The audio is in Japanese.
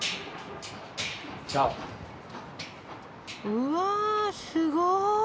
うわすごい！